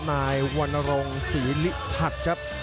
นายวรรณรงค์ศรีลิภัทรครับ